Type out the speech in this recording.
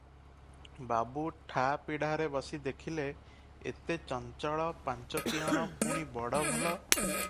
"ବାବୁ ଠା ପିଢାରେ ବସି ଦେଖିଲେ, ଏତେ ଚଞ୍ଚଳ ପାଞ୍ଚତିଅଣ, ପୁଣି ବଡ଼ ଭଲ ।